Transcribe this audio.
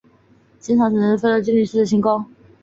清朝曾在寺旁建有隆福寺行宫。